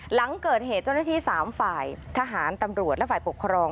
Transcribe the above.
หลังเกิดเหตุเจ้าหน้าที่๓ฝ่ายทหารตำรวจและฝ่ายปกครอง